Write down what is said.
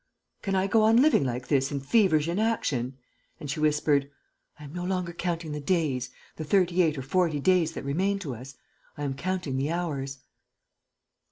"Can I go on living like this, in feverish inaction?" And she whispered, "I am no longer counting the days, the thirty eight or forty days that remain to us: I am counting the hours."